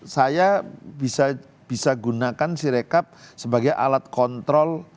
saya bisa gunakan sirekap sebagai alat kontrol